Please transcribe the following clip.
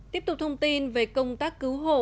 tiếp tục thông tin về công tác cứu hộ